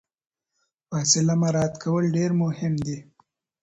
فاصله مراعات کول ډیر مهم دي.